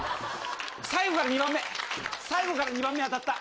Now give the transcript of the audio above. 最後から２番目、最後から２番目当たった。